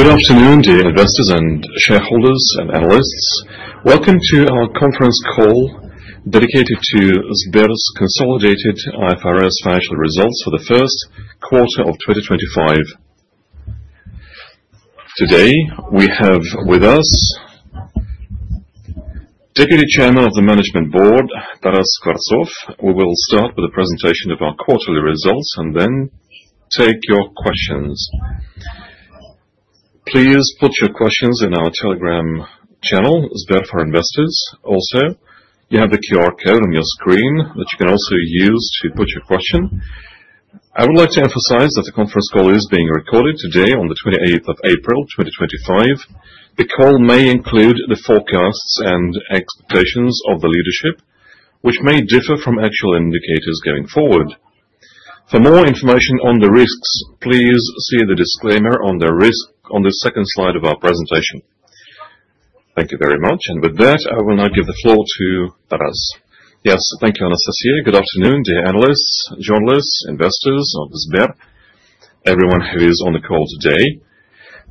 Good afternoon, dear investors and shareholders and analysts. Welcome to our conference call dedicated to Sberbank's consolidated IFRS financial results for the first quarter of 2025. Today, we have with us Deputy Chairman of the Management Board, Taras Kvarcov. We will start with a presentation of our quarterly results and then take your questions. Please put your questions in our Telegram channel, Sberbank for Investors. Also, you have the QR code on your screen that you can also use to put your question. I would like to emphasize that the conference call is being recorded today, on the 28th of April 2025. The call may include the forecasts and expectations of the leadership, which may differ from actual indicators going forward. For more information on the risks, please see the disclaimer on the second slide of our presentation. Thank you very much. With that, I will now give the floor to Taras. Yes, thank you, Anastasia. Good afternoon, dear analysts, journalists, investors of Sberbank, everyone who is on the call today.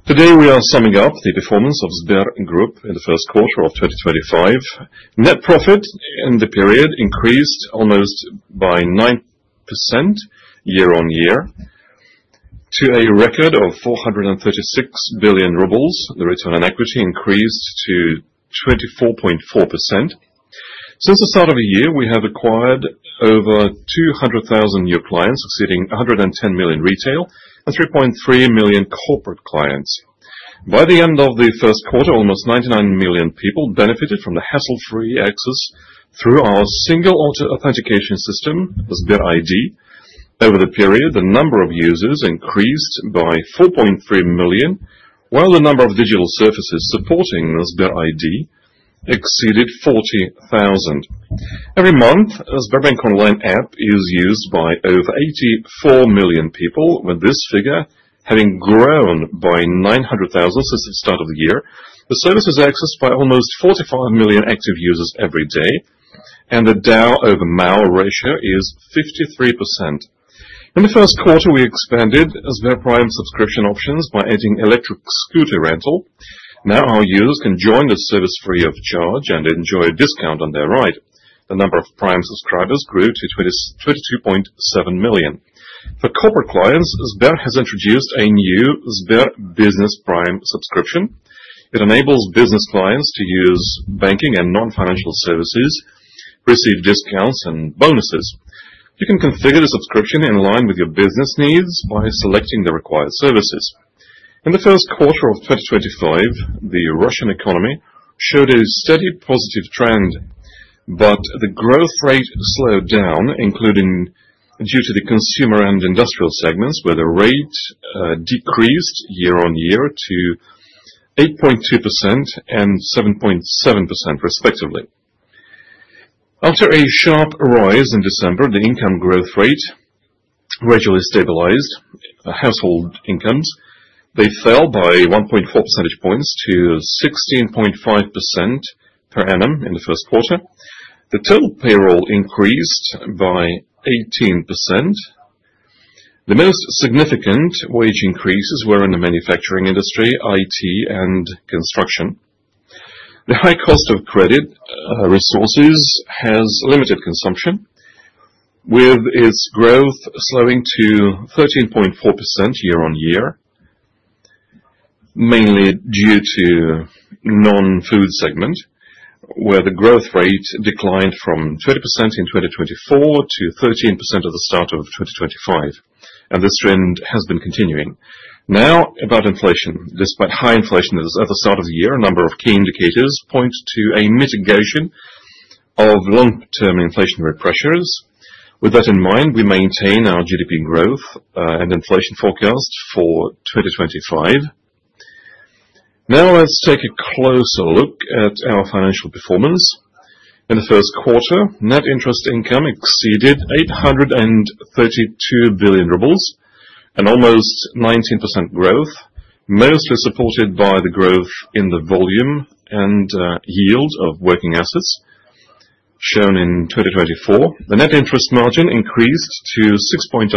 Today, we are summing up the performance of Sberbank Group in the first quarter of 2025. Net profit in the period increased almost by 9% year on year, to a record of 436 billion rubles. The return on equity increased to 24.4%. Since the start of the year, we have acquired over 200,000 new clients, exceeding 110 million retail and 3.3 million corporate clients. By the end of the first quarter, almost 99 million people benefited from the hassle-free access through our single authentication system, SberID. Over the period, the number of users increased by 4.3 million, while the number of digital services supporting SberID exceeded 40,000. Every month, the Sberbank Online App is used by over 84 million people, with this figure having grown by 900,000 since the start of the year. The service is accessed by almost 45 million active users every day, and the DAO/MAO ratio is 53%. In the first quarter, we expanded Sberbank Prime subscription options by adding electric scooter rental. Now, our users can join the service free of charge and enjoy a discount on their ride. The number of Prime subscribers grew to 22.7 million. For corporate clients, Sberbank has introduced a new SberBusiness Prime subscription. It enables business clients to use banking and non-financial services, receive discounts, and bonuses. You can configure the subscription in line with your business needs by selecting the required services. In the first quarter of 2025, the Russian economy showed a steady positive trend, but the growth rate slowed down, including due to the consumer and industrial segments, where the rate decreased year on year to 8.2% and 7.7%, respectively. After a sharp rise in December, the income growth rate gradually stabilized. Household incomes, they fell by 1.4 percentage points to 16.5% per annum in the first quarter. The total payroll increased by 18%. The most significant wage increases were in the manufacturing industry, IT, and construction. The high cost of credit resources has limited consumption, with its growth slowing to 13.4% year on year, mainly due to the non-food segment, where the growth rate declined from 20% in 2024 to 13% at the start of 2025. This trend has been continuing. Now, about inflation. Despite high inflation at the start of the year, a number of key indicators point to a mitigation of long-term inflationary pressures. With that in mind, we maintain our GDP growth and inflation forecast for 2025. Now, let's take a closer look at our financial performance. In the first quarter, net interest income exceeded 832 billion rubles, an almost 19% growth, mostly supported by the growth in the volume and yield of working assets shown in 2024. The net interest margin increased to 6.11%,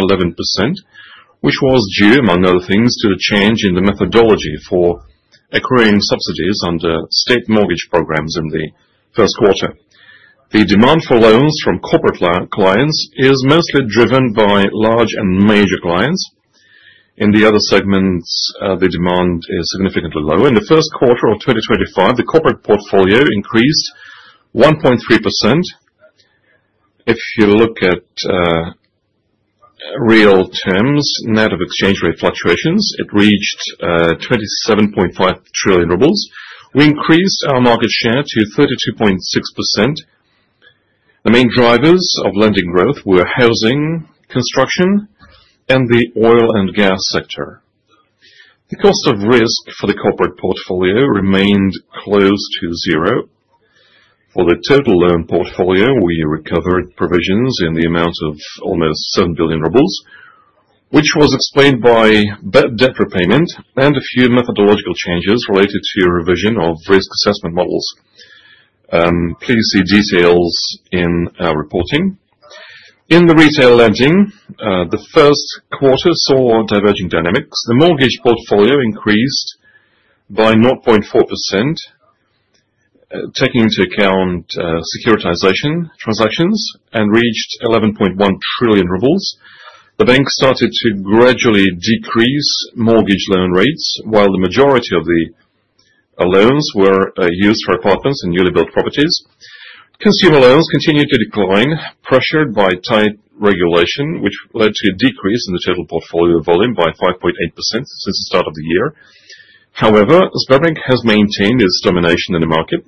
which was due, among other things, to a change in the methodology for accruing subsidies under state mortgage programs in the first quarter. The demand for loans from corporate clients is mostly driven by large and major clients. In the other segments, the demand is significantly lower. In the first quarter of 2025, the corporate portfolio increased 1.3%. If you look at real terms, net of exchange rate fluctuations, it reached 27.5 trillion rubles. We increased our market share to 32.6%. The main drivers of lending growth were housing, construction, and the oil and gas sector. The cost of risk for the corporate portfolio remained close to zero. For the total loan portfolio, we recovered provisions in the amount of almost 7 billion rubles, which was explained by debt repayment and a few methodological changes related to a revision of risk assessment models. Please see details in our reporting. In the retail lending, the first quarter saw diverging dynamics. The mortgage portfolio increased by 0.4%, taking into account securitization transactions, and reached 11.1 trillion rubles. The bank started to gradually decrease mortgage loan rates, while the majority of the loans were used for apartments and newly built properties. Consumer loans continued to decline, pressured by tight regulation, which led to a decrease in the total portfolio volume by 5.8% since the start of the year. However, Sberbank has maintained its domination in the market.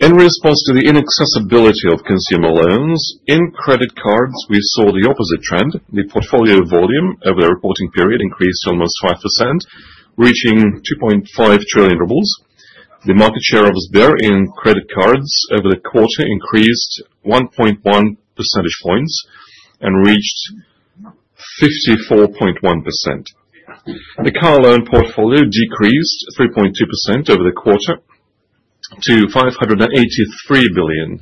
In response to the inaccessibility of consumer loans, in credit cards, we saw the opposite trend. The portfolio volume over the reporting period increased almost 5%, reaching 2.5 trillion rubles. The market share of Sberbank in credit cards over the quarter increased 1.1 percentage points and reached 54.1%. The car loan portfolio decreased 3.2% over the quarter to 583 billion.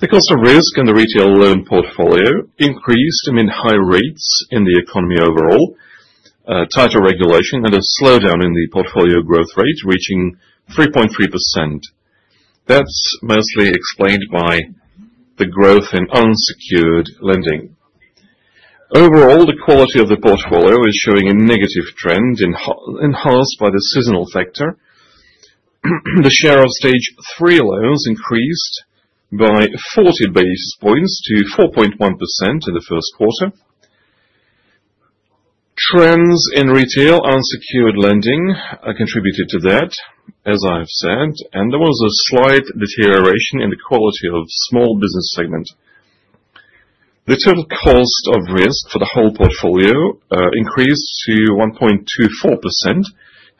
The cost of risk in the retail loan portfolio increased amid high rates in the economy overall, tighter regulation, and a slowdown in the portfolio growth rate, reaching 3.3%. That is mostly explained by the growth in unsecured lending. Overall, the quality of the portfolio is showing a negative trend, enhanced by the seasonal factor. The share of stage three loans increased by 40 basis points to 4.1% in the first quarter. Trends in retail unsecured lending contributed to that, as I've said, and there was a slight deterioration in the quality of the small business segment. The total cost of risk for the whole portfolio increased to 1.24%.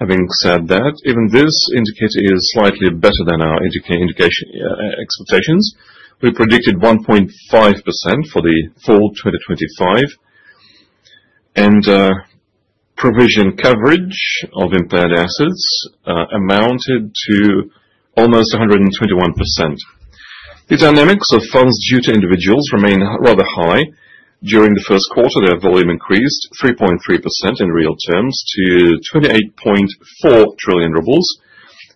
Having said that, even this indicator is slightly better than our expectations. We predicted 1.5% for the fall 2025, and provision coverage of impaired assets amounted to almost 121%. The dynamics of funds due to individuals remained rather high. During the first quarter, their volume increased 3.3% in real terms to 28.4 trillion rubles.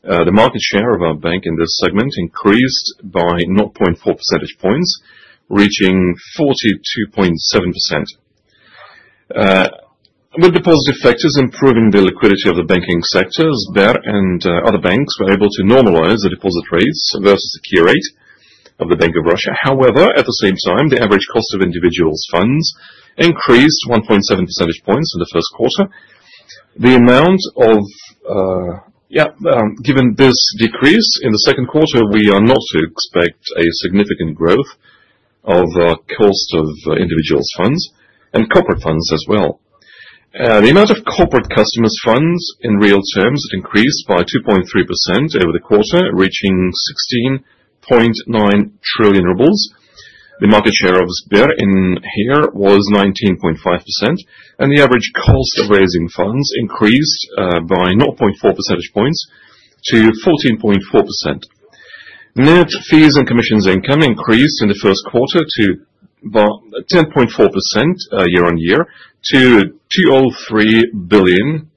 The market share of our bank in this segment increased by 0.4 percentage points, reaching 42.7%. With deposit effective improving the liquidity of the banking sector, Sberbank and other banks were able to normalize the deposit rates versus the key rate of the Bank of Russia. However, at the same time, the average cost of individuals' funds increased 1.7 percentage points in the first quarter. The amount of, yeah, given this decrease in the second quarter, we are not to expect a significant growth of cost of individuals' funds and corporate funds as well. The amount of corporate customers' funds in real terms increased by 2.3% over the quarter, reaching 16.9 trillion rubles. The market share of Sberbank here was 19.5%, and the average cost of raising funds increased by 0.4 percentage points to 14.4%. Net fees and commissions income increased in the first quarter to 10.4% year on year to 203 billion,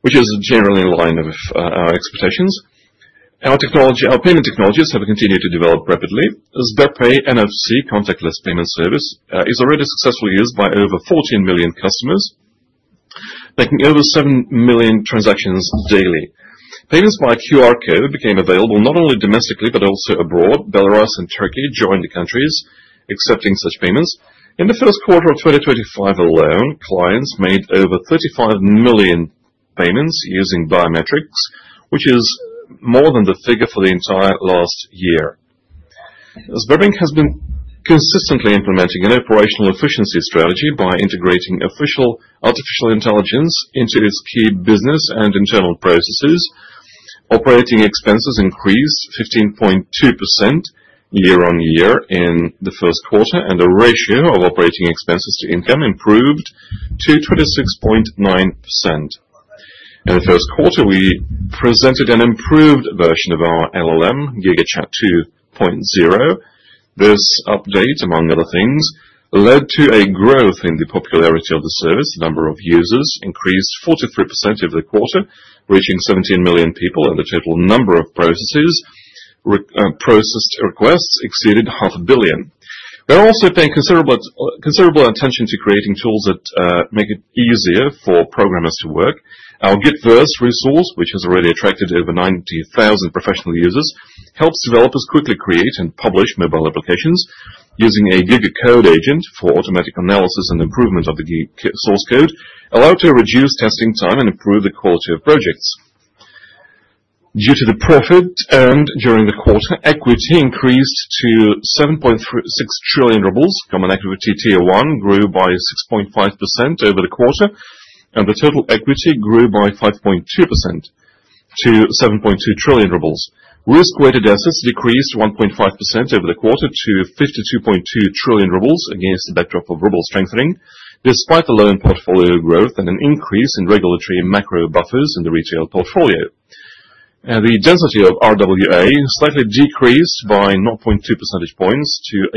which is generally in line with our expectations. Our payment technologies have continued to develop rapidly. SberPay NFC contactless payment service is already successfully used by over 14 million customers, making over 7 million transactions daily. Payments by QR code became available not only domestically but also abroad. Belarus and Turkey joined the countries accepting such payments. In the first quarter of 2025 alone, clients made over 35 million payments using biometrics, which is more than the figure for the entire last year. Sberbank has been consistently implementing an operational efficiency strategy by integrating artificial intelligence into its key business and internal processes. Operating expenses increased 15.2% year on year in the first quarter, and the ratio of operating expenses to income improved to 26.9%. In the first quarter, we presented an improved version of our LLM, GigaChat 2.0. This update, among other things, led to a growth in the popularity of the service. The number of users increased 43% over the quarter, reaching 17 million people, and the total number of processed requests exceeded 500,000,000. We're also paying considerable attention to creating tools that make it easier for programmers to work. Our Gitverse resource, which has already attracted over 90,000 professional users, helps developers quickly create and publish mobile applications using a Git code agent for automatic analysis and improvement of the source code, allowed to reduce testing time and improve the quality of projects. Due to the profit earned during the quarter, equity increased to 7.6 trillion rubles. Common activity tier one grew by 6.5% over the quarter, and the total equity grew by 5.2% to 7.2 trillion rubles. Risk-weighted assets decreased 1.5% over the quarter to 52.2 trillion rubles against the backdrop of ruble strengthening, despite the loan portfolio growth and an increase in regulatory macro buffers in the retail portfolio. The density of RWA slightly decreased by 0.2 percentage points to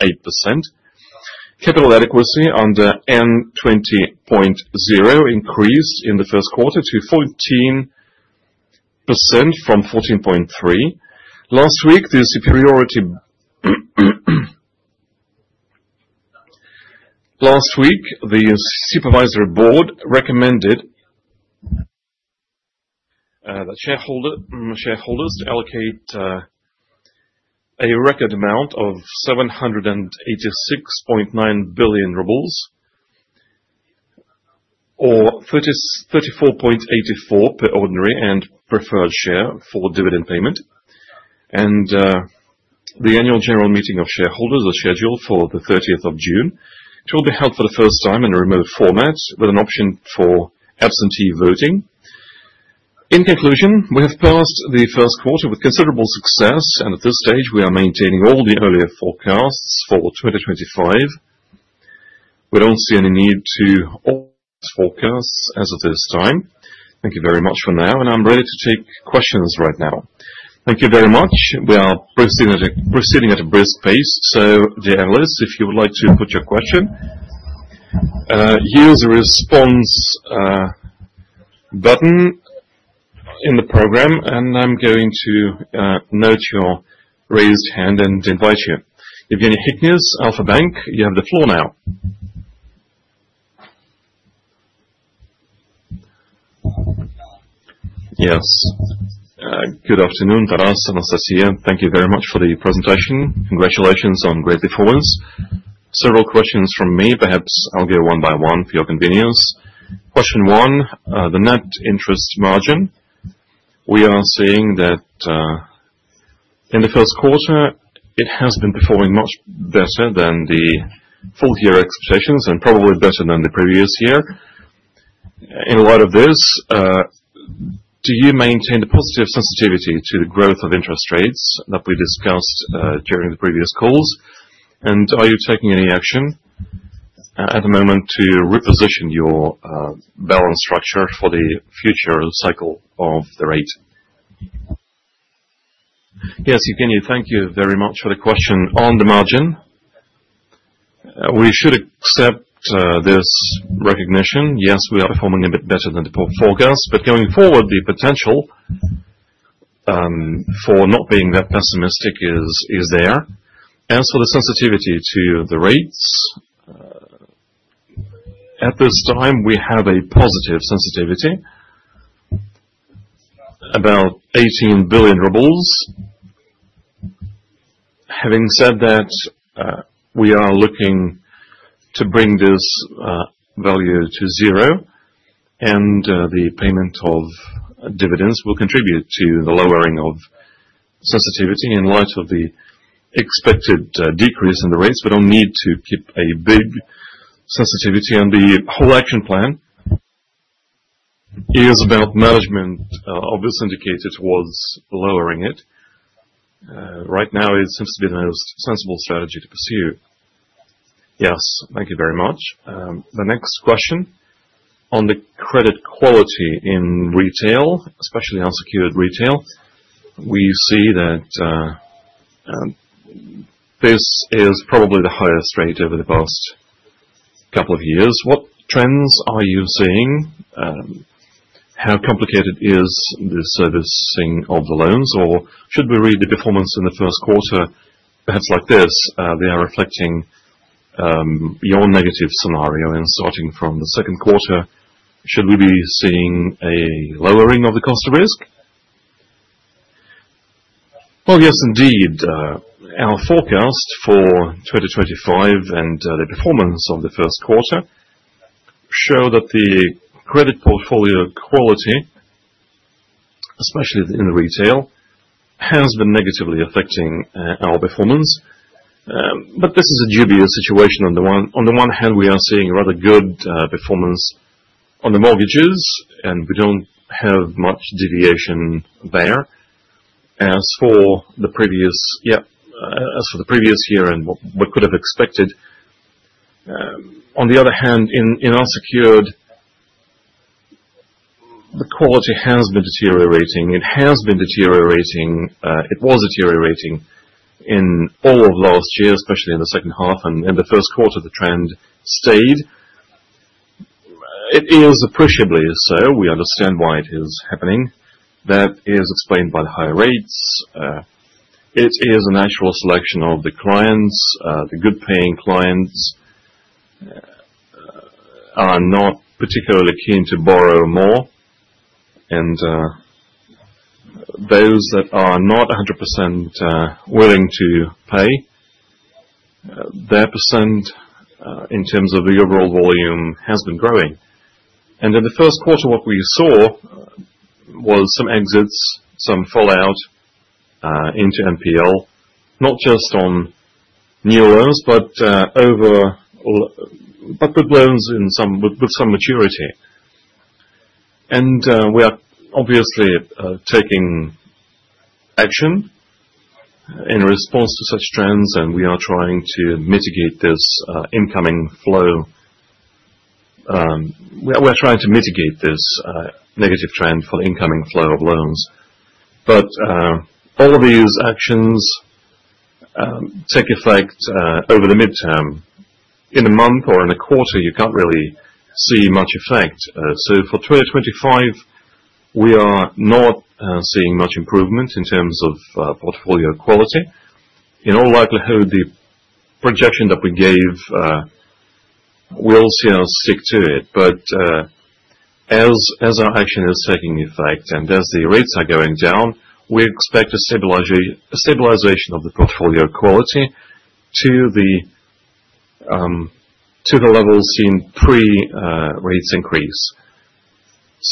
86.8%. Capital adequacy under N20.0 increased in the first quarter to 14% from 14.3%. Last week, the supervisory board recommended the shareholders to allocate a record amount of 786.9 billion rubles, or 34.84 per ordinary and preferred share for dividend payment. The annual general meeting of shareholders is scheduled for the 30th of June. It will be held for the first time in a remote format, with an option for absentee voting. In conclusion, we have passed the first quarter with considerable success, and at this stage, we are maintaining all the earlier forecasts for 2025. We don't see any need to forecast as of this time. Thank you very much for now, and I'm ready to take questions right now. Thank you very much. We are proceeding at a brisk pace, so dear analysts, if you would like to put your question, use the response button in the program, and I'm going to note your raised hand and invite you. If you need any questions, Alfa-Bank, you have the floor now. Yes. Good afternoon, Taras and Anastasia. Thank you very much for the presentation. Congratulations on great performance. Several questions from me. Perhaps I'll go one by one for your convenience. Question one, the net interest margin. We are seeing that in the first quarter, it has been performing much better than the full-year expectations and probably better than the previous year. In light of this, do you maintain a positive sensitivity to the growth of interest rates that we discussed during the previous calls? Are you taking any action at the moment to reposition your balance structure for the future cycle of the rate? Yes, Evgenia, thank you very much for the question on the margin. We should accept this recognition. Yes, we are performing a bit better than the forecast, but going forward, the potential for not being that pessimistic is there. As for the sensitivity to the rates, at this time, we have a positive sensitivity about RUB 18 billion. Having said that, we are looking to bring this value to zero, and the payment of dividends will contribute to the lowering of sensitivity in light of the expected decrease in the rates. We don't need to keep a big sensitivity, and the whole action plan is about management of this indicator towards lowering it. Right now, it seems to be the most sensible strategy to pursue. Yes, thank you very much. The next question on the credit quality in retail, especially unsecured retail. We see that this is probably the highest rate over the past couple of years. What trends are you seeing? How complicated is the servicing of the loans, or should we read the performance in the first quarter? Perhaps like this, they are reflecting your negative scenario. Starting from the second quarter, should we be seeing a lowering of the cost of risk? Yes, indeed. Our forecast for 2025 and the performance of the first quarter show that the credit portfolio quality, especially in the retail, has been negatively affecting our performance. This is a dubious situation. On the one hand, we are seeing rather good performance on the mortgages, and we do not have much deviation there. As for the previous year, as for the previous year and what we could have expected, on the other hand, in unsecured, the quality has been deteriorating. It has been deteriorating. It was deteriorating in all of last year, especially in the second half, and in the first quarter, the trend stayed. It is appreciably so. We understand why it is happening. That is explained by the higher rates. It is a natural selection of the clients. The good-paying clients are not particularly keen to borrow more, and those that are not 100% willing to pay, their percent in terms of the overall volume has been growing. In the first quarter, what we saw was some exits, some fallout into NPL, not just on new loans, but good loans with some maturity. We are obviously taking action in response to such trends, and we are trying to mitigate this incoming flow. We are trying to mitigate this negative trend for the incoming flow of loans. All of these actions take effect over the midterm. In a month or in a quarter, you can't really see much effect. For 2025, we are not seeing much improvement in terms of portfolio quality. In all likelihood, the projection that we gave, we'll see us stick to it. As our action is taking effect and as the rates are going down, we expect a stabilization of the portfolio quality to the level seen pre-rate increase.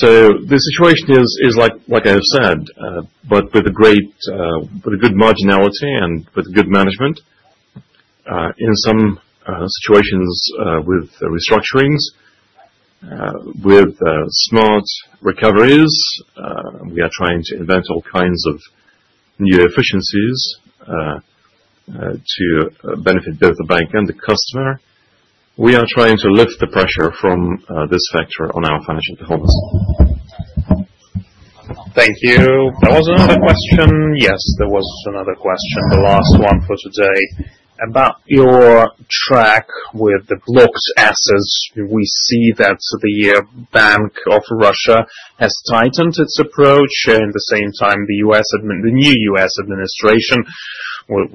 The situation is, like I have said, but with a great marginality and with good management. In some situations with restructurings, with smart recoveries, we are trying to invent all kinds of new efficiencies to benefit both the bank and the customer. We are trying to lift the pressure from this factor on our financial performance. Thank you. There was another question. Yes, there was another question, the last one for today, about your track with the blocked assets. We see that the Bank of Russia has tightened its approach. At the same time, the new U.S. administration, with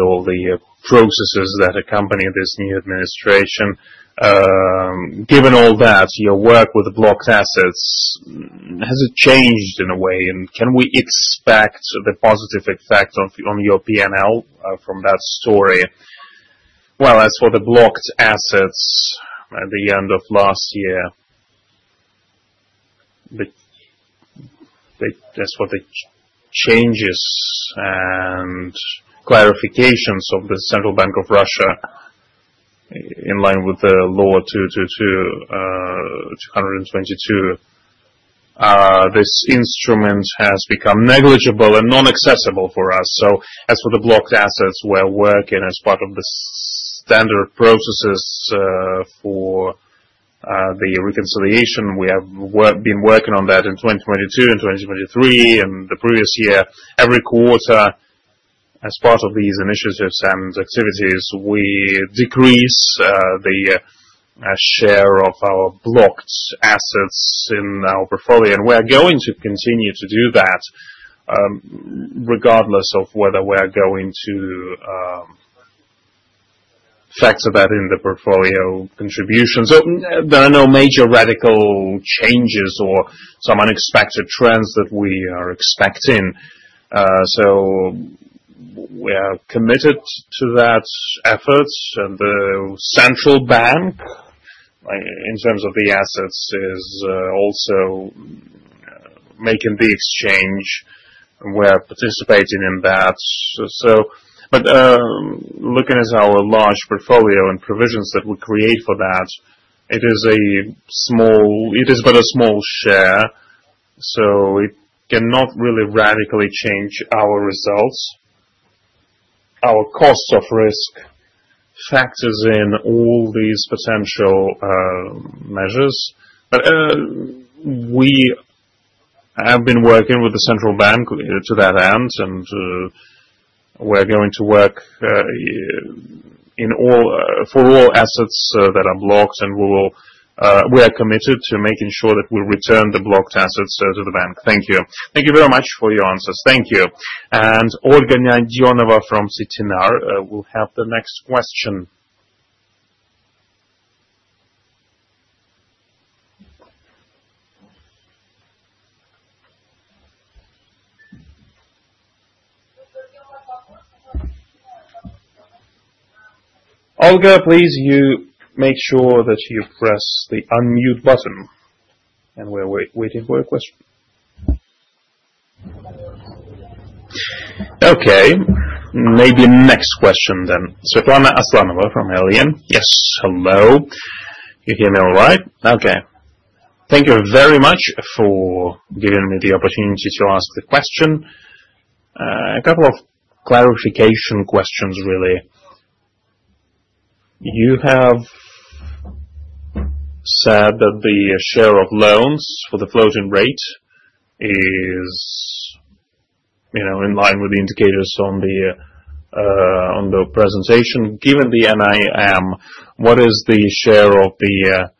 all the processes that accompany this new administration, given all that, your work with the blocked assets, has it changed in a way? Can we expect the positive effect on your P&L from that story? As for the blocked assets at the end of last year, as for the changes and clarifications of the Central Bank of Russia in line with the law 222, this instrument has become negligible and non-accessible for us. As for the blocked assets, we're working as part of the standard processes for the reconciliation. We have been working on that in 2022 and 2023 and the previous year. Every quarter, as part of these initiatives and activities, we decrease the share of our blocked assets in our portfolio, and we are going to continue to do that regardless of whether we are going to factor that in the portfolio contribution. There are no major radical changes or some unexpected trends that we are expecting. We are committed to that effort, and the Central Bank, in terms of the assets, is also making the exchange. We are participating in that. Looking at our large portfolio and provisions that we create for that, it is but a small share, so it cannot really radically change our results. Our cost of risk factors in all these potential measures, but we have been working with the central bank to that end, and we are going to work for all assets that are blocked, and we are committed to making sure that we return the blocked assets to the bank. Thank you. Thank you very much for your answers. Thank you. Olga Nadyonova from CTNR will have the next question. Olga, please make sure that you press the unmute button, and we are waiting for your question. Okay. Maybe next question then. Svetlana Aslanova from LEN. Yes. Hello. You hear me all right? Okay. Thank you very much for giving me the opportunity to ask the question. A couple of clarification questions, really. You have said that the share of loans for the floating rate is in line with the indicators on the presentation. Given the NIM, what is the share of the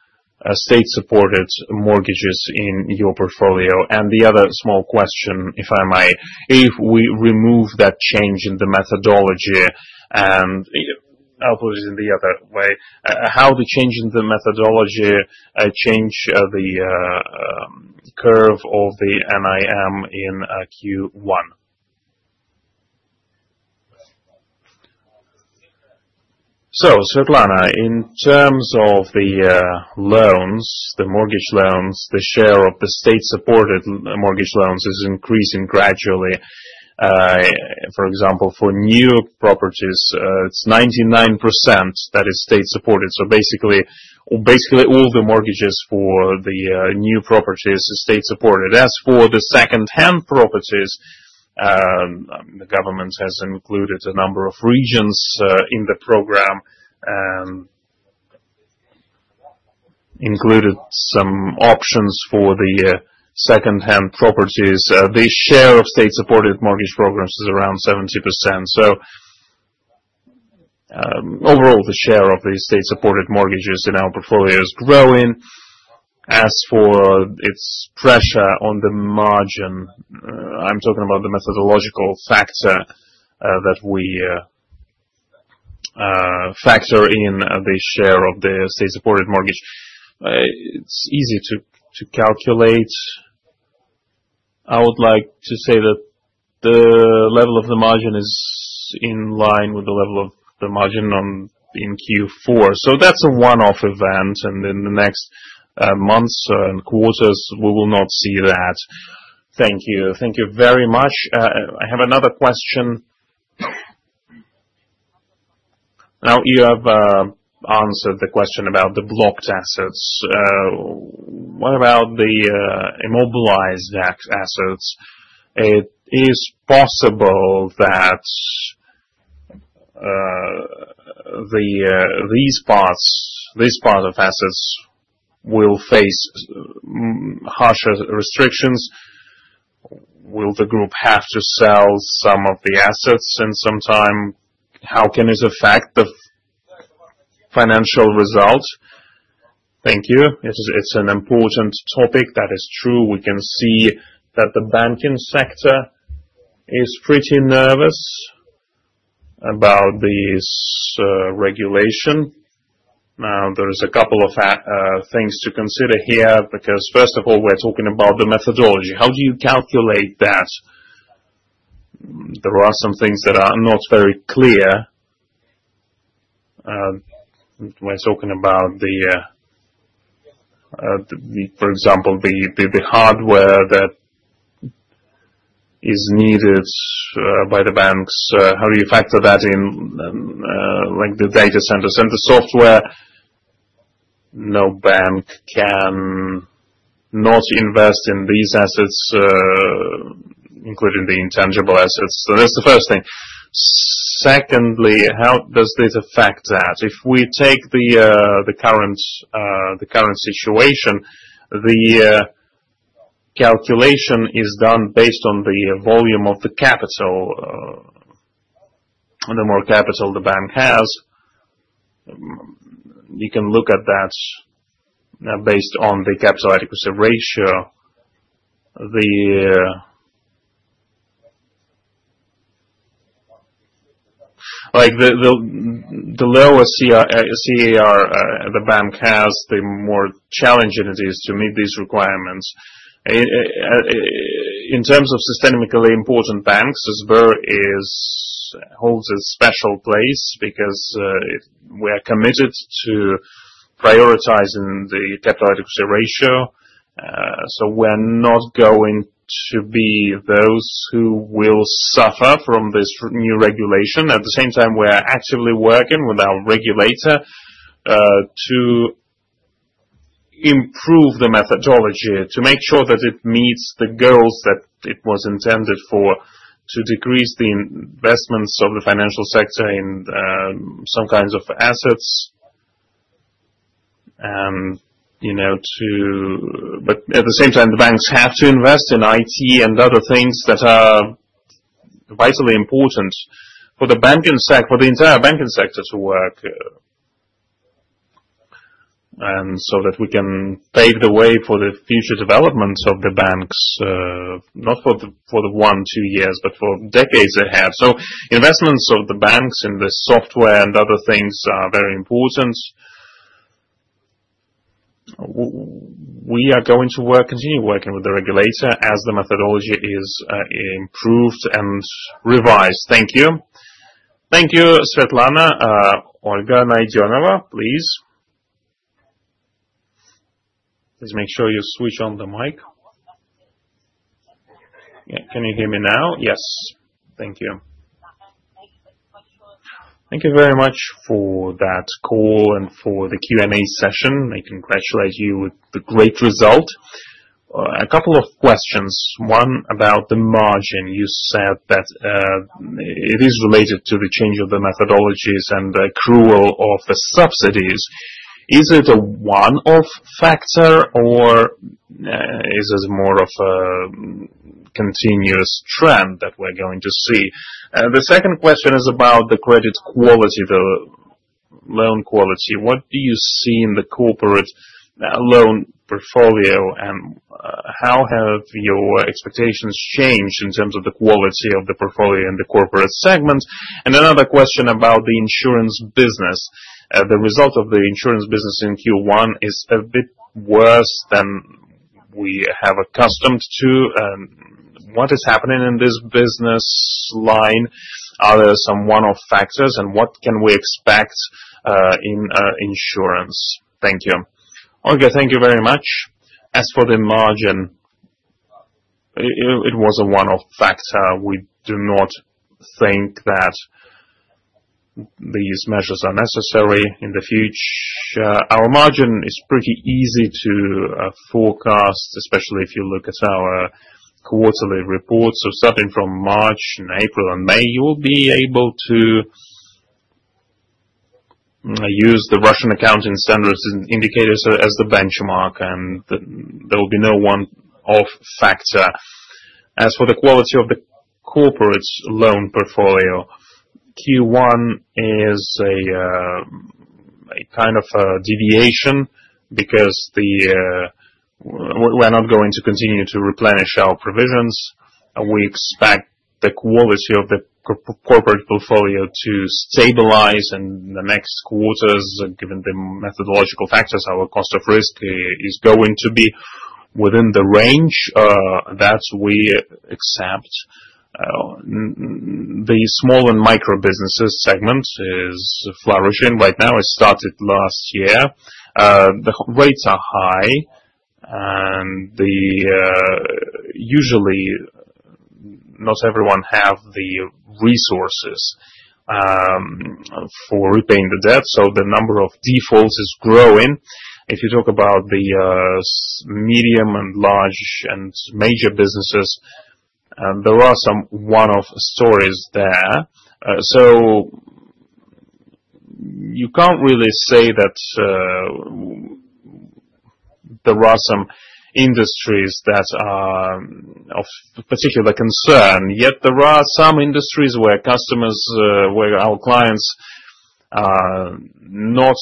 state-supported mortgages in your portfolio? The other small question, if I may, if we remove that change in the methodology and I'll put it in the other way, how the change in the methodology changed the curve of the NIM in Q1? Svetlana, in terms of the mortgage loans, the share of the state-supported mortgage loans is increasing gradually. For example, for new properties, it's 99% that is state-supported. Basically, all the mortgages for the new properties are state-supported. As for the second-hand properties, the government has included a number of regions in the program and included some options for the second-hand properties. The share of state-supported mortgage programs is around 70%. Overall, the share of the state-supported mortgages in our portfolio is growing. As for its pressure on the margin, I'm talking about the methodological factor that we factor in the share of the state-supported mortgage. It's easy to calculate. I would like to say that the level of the margin is in line with the level of the margin in Q4. That's a one-off event, and in the next months and quarters, we will not see that. Thank you. Thank you very much. I have another question. Now, you have answered the question about the blocked assets. What about the immobilized assets? It is possible that these parts of assets will face harsher restrictions. Will the group have to sell some of the assets in some time? How can it affect the financial result? Thank you. It's an important topic. That is true. We can see that the banking sector is pretty nervous about this regulation. Now, there are a couple of things to consider here because, first of all, we're talking about the methodology. How do you calculate that? There are some things that are not very clear. We're talking about, for example, the hardware that is needed by the banks. How do you factor that in, like the data centers and the software? No bank can not invest in these assets, including the intangible assets. So that's the first thing. Secondly, how does this affect that? If we take the current situation, the calculation is done based on the volume of the capital. The more capital the bank has, you can look at that based on the capital adequacy ratio. The lower CAR the bank has, the more challenging it is to meet these requirements. In terms of systemically important banks, Sber holds a special place because we are committed to prioritizing the capital adequacy ratio. We are not going to be those who will suffer from this new regulation. At the same time, we are actively working with our regulator to improve the methodology, to make sure that it meets the goals that it was intended for, to decrease the investments of the financial sector in some kinds of assets. At the same time, the banks have to invest in IT and other things that are vitally important for the entire banking sector to work, and so that we can pave the way for the future developments of the banks, not for one, two years, but for decades ahead. Investments of the banks in the software and other things are very important. We are going to continue working with the regulator as the methodology is improved and revised. Thank you. Thank you, Svetlana. Olga Nadyonova, please. Please make sure you switch on the mic. Can you hear me now? Yes. Thank you. Thank you very much for that call and for the Q&A session. I congratulate you with the great result. A couple of questions. One about the margin. You said that it is related to the change of the methodologies and the accrual of the subsidies. Is it a one-off factor, or is it more of a continuous trend that we're going to see? The second question is about the credit quality, the loan quality. What do you see in the corporate loan portfolio, and how have your expectations changed in terms of the quality of the portfolio in the corporate segment? Another question about the insurance business. The result of the insurance business in Q1 is a bit worse than we have accustomed to. What is happening in this business line? Are there some one-off factors, and what can we expect in insurance? Thank you. Olga, thank you very much. As for the margin, it was a one-off factor. We do not think that these measures are necessary in the future. Our margin is pretty easy to forecast, especially if you look at our quarterly reports. Starting from March, April, and May, you will be able to use the Russian accounting standards and indicators as the benchmark, and there will be no one-off factor. As for the quality of the corporate loan portfolio, Q1 is a kind of deviation because we're not going to continue to replenish our provisions. We expect the quality of the corporate portfolio to stabilize in the next quarters. Given the methodological factors, our cost of risk is going to be within the range that we accept. The small and micro businesses segment is flourishing right now. It started last year. The rates are high, and usually, not everyone has the resources for repaying the debt, so the number of defaults is growing. If you talk about the medium and large and major businesses, there are some one-off stories there. You can't really say that there are some industries that are of particular concern, yet there are some industries where our clients are not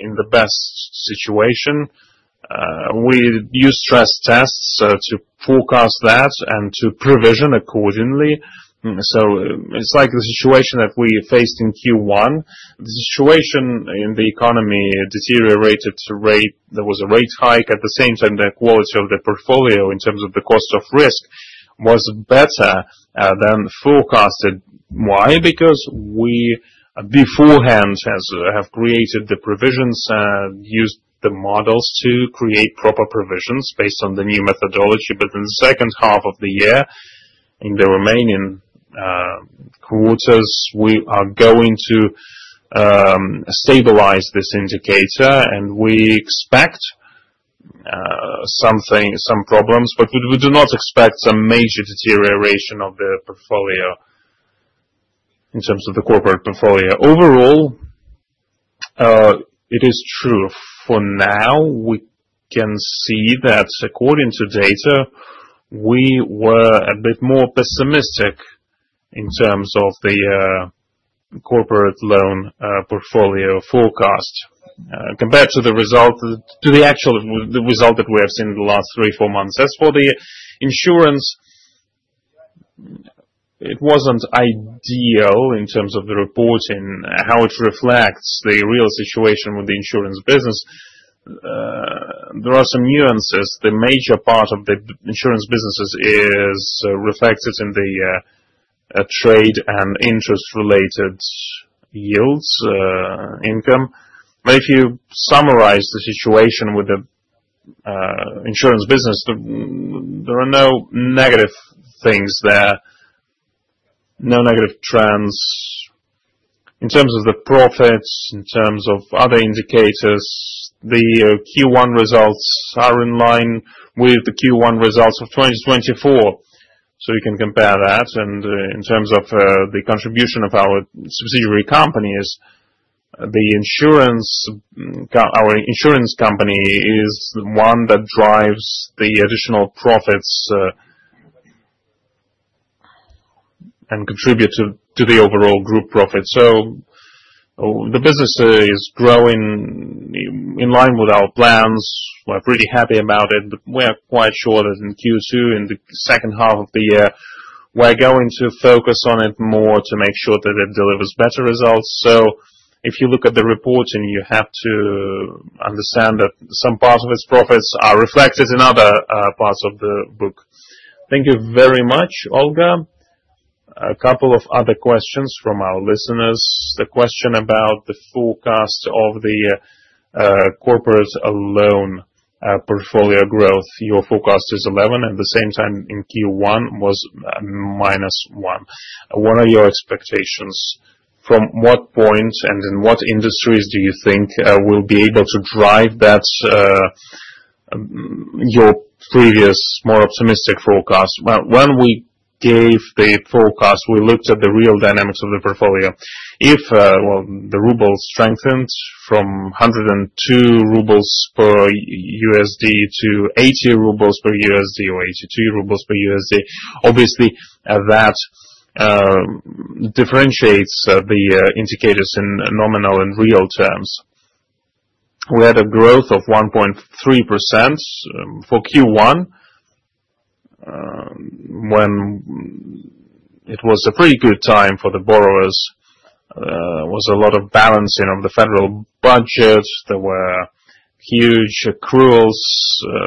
in the best situation. We use stress tests to forecast that and to provision accordingly. It's like the situation that we faced in Q1. The situation in the economy deteriorated to rate. There was a rate hike. At the same time, the quality of the portfolio in terms of the cost of risk was better than forecasted. Why? Because we beforehand have created the provisions and used the models to create proper provisions based on the new methodology. In the second half of the year, in the remaining quarters, we are going to stabilize this indicator, and we expect some problems, but we do not expect some major deterioration of the portfolio in terms of the corporate portfolio. Overall, it is true. For now, we can see that according to data, we were a bit more pessimistic in terms of the corporate loan portfolio forecast compared to the actual result that we have seen in the last three, four months. As for the insurance, it was not ideal in terms of the reporting, how it reflects the real situation with the insurance business. There are some nuances. The major part of the insurance businesses is reflected in the trade and interest-related yields, income. If you summarize the situation with the insurance business, there are no negative things there, no negative trends. In terms of the profits, in terms of other indicators, the Q1 results are in line with the Q1 results of 2024. You can compare that. In terms of the contribution of our subsidiary companies, our insurance company is the one that drives the additional profits and contributes to the overall group profit. The business is growing in line with our plans. We're pretty happy about it. We are quite sure that in Q2, in the second half of the year, we're going to focus on it more to make sure that it delivers better results. If you look at the reporting, you have to understand that some parts of its profits are reflected in other parts of the book. Thank you very much, Olga. A couple of other questions from our listeners. The question about the forecast of the corporate loan portfolio growth. Your forecast is 11%, and at the same time, in Q1, it was -1%. What are your expectations? From what point and in what industries do you think we'll be able to drive your previous more optimistic forecast? When we gave the forecast, we looked at the real dynamics of the portfolio. If the ruble strengthened from 102 rubles per $1 to 80 rubles per $1 or 82 rubles per $1, obviously, that differentiates the indicators in nominal and real terms. We had a growth of 1.3% for Q1 when it was a pretty good time for the borrowers. There was a lot of balancing of the federal budget. There were huge accruals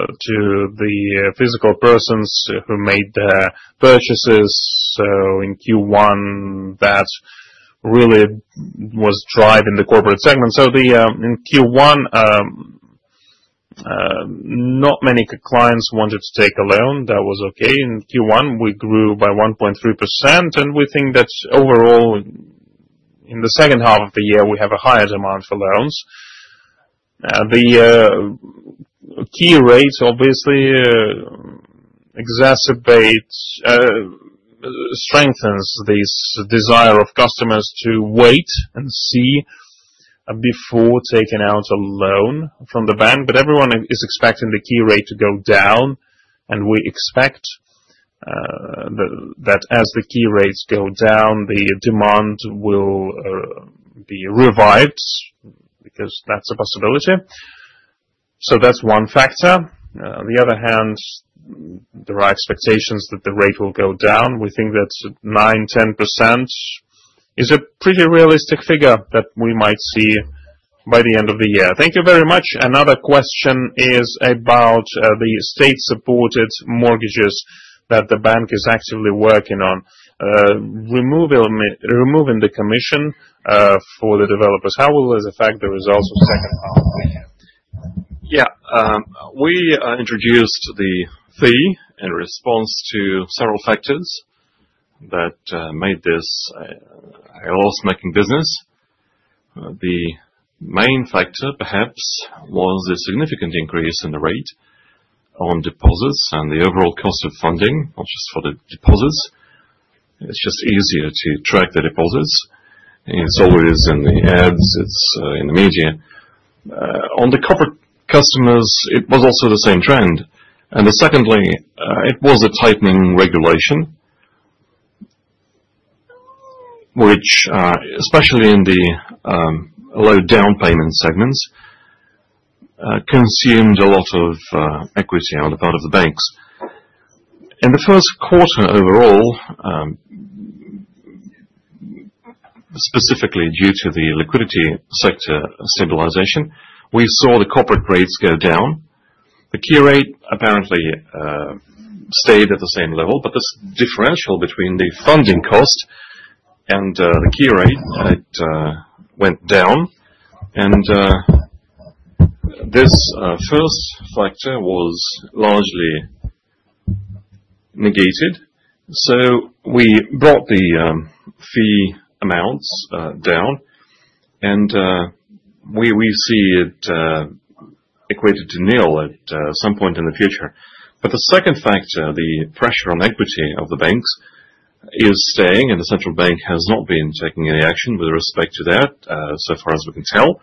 to the physical persons who made their purchases. In Q1, that really was driving the corporate segment. In Q1, not many clients wanted to take a loan. That was okay. In Q1, we grew by 1.3%, and we think that overall, in the second half of the year, we have a higher demand for loans. The key rates, obviously, strengthen this desire of customers to wait and see before taking out a loan from the bank. Everyone is expecting the key rate to go down, and we expect that as the key rates go down, the demand will be revived because that's a possibility. That is one factor. On the other hand, there are expectations that the rate will go down. We think that 9-10% is a pretty realistic figure that we might see by the end of the year. Thank you very much. Another question is about the state-supported mortgages that the bank is actively working on. Removing the commission for the developers, how will it affect the results of the second half of the year? Yeah. We introduced the fee in response to several factors that made this a loss-making business. The main factor, perhaps, was the significant increase in the rate on deposits and the overall cost of funding, not just for the deposits. It's just easier to track the deposits. It's always in the ads. It's in the media. On the corporate customers, it was also the same trend. Secondly, it was a tightening regulation, which, especially in the low-down payment segments, consumed a lot of equity on the part of the banks. In the first quarter overall, specifically due to the liquidity sector stabilization, we saw the corporate rates go down. The key rate apparently stayed at the same level, but the differential between the funding cost and the key rate went down. This first factor was largely negated. We brought the fee amounts down, and we see it equated to nil at some point in the future. The second factor, the pressure on equity of the banks, is staying, and the central bank has not been taking any action with respect to that, so far as we can tell.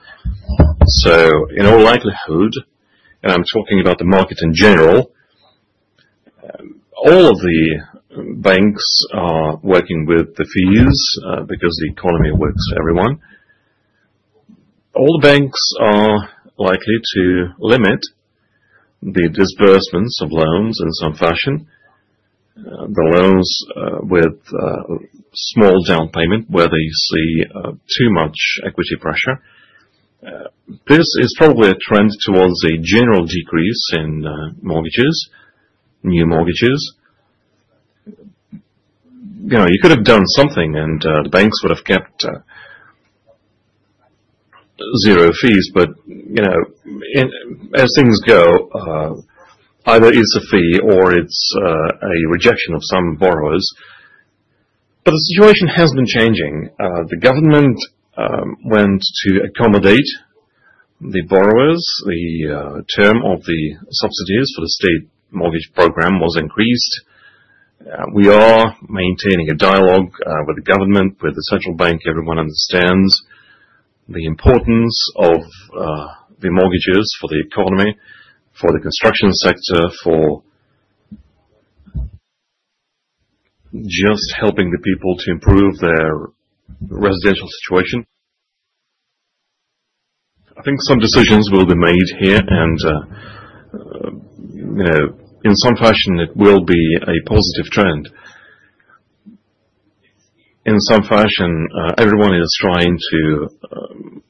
In all likelihood, and I'm talking about the market in general, all of the banks are working with the fees because the economy works for everyone. All the banks are likely to limit the disbursements of loans in some fashion. The loans with small down payment where they see too much equity pressure. This is probably a trend towards a general decrease in mortgages, new mortgages. You could have done something, and the banks would have kept zero fees. As things go, either it's a fee or it's a rejection of some borrowers. The situation has been changing. The government went to accommodate the borrowers. The term of the subsidies for the state mortgage program was increased. We are maintaining a dialogue with the government, with the central bank. Everyone understands the importance of the mortgages for the economy, for the construction sector, for just helping the people to improve their residential situation. I think some decisions will be made here, and in some fashion, it will be a positive trend. In some fashion, everyone is trying to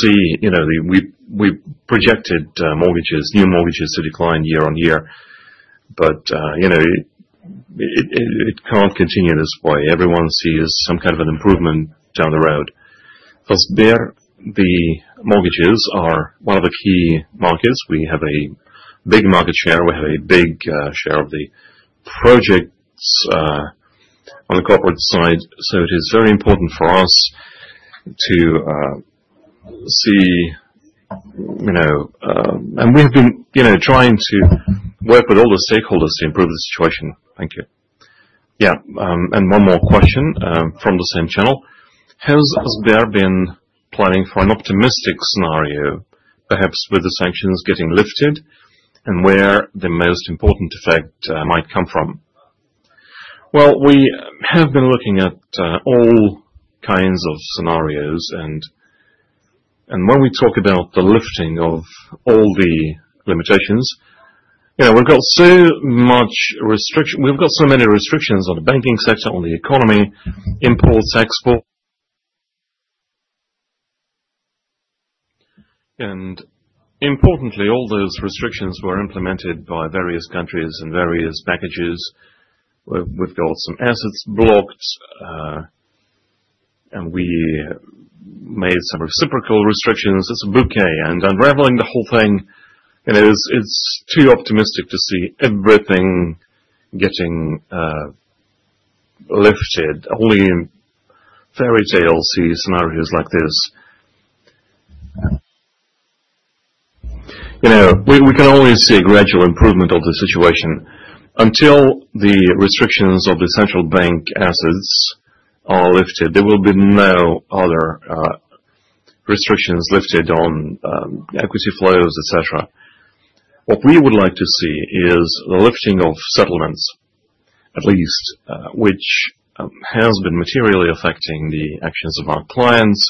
see we projected new mortgages to decline year on year, but it can't continue this way. Everyone sees some kind of an improvement down the road. Elsewhere, the mortgages are one of the key markets. We have a big market share. We have a big share of the projects on the corporate side. It is very important for us to see and we have been trying to work with all the stakeholders to improve the situation. Thank you. Yeah. One more question from the same channel. Has Sberbank been planning for an optimistic scenario, perhaps with the sanctions getting lifted and where the most important effect might come from? We have been looking at all kinds of scenarios. When we talk about the lifting of all the limitations, we have so much restriction. We have so many restrictions on the banking sector, on the economy, imports, exports. Importantly, all those restrictions were implemented by various countries and various packages. We have some assets blocked, and we made some reciprocal restrictions. It is a bouquet. Unraveling the whole thing, it is too optimistic to see everything getting lifted. Only fairy tales see scenarios like this. We can only see a gradual improvement of the situation. Until the restrictions of the central bank assets are lifted, there will be no other restrictions lifted on equity flows, etc. What we would like to see is the lifting of settlements, at least, which has been materially affecting the actions of our clients